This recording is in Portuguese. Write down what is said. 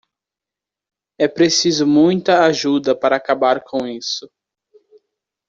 É preciso muita ajuda para acabar com isso.